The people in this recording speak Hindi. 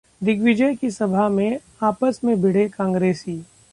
दिग्विजय की सभा में आपस में भिड़े कांग्रेसी